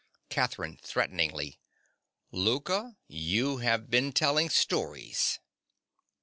_) CATHERINE. (threateningly). Louka: you have been telling stories.